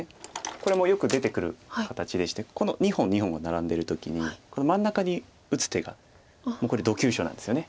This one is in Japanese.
これもよく出てくる形でしてこの２本２本が並んでる時に真ん中に打つ手がこれど急所なんですよね。